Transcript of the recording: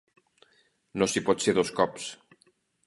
No s'hi pot ser dos cops.